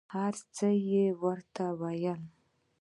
هر څه یې ورته وویل.